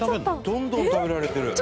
どんどん食べられてる。